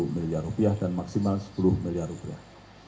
satu miliar rupiah dan maksimal sepuluh miliar rupiah